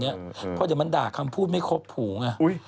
เพราะเดี๋ยวมันด่าคำพูดไม่ครบหูไง